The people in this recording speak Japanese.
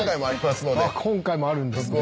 今回もあるんですね。